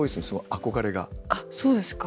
あっそうですか。